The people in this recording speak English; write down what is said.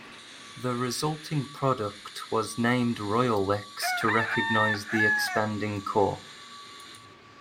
The resulting product was named Royalex to recognise the expanding core.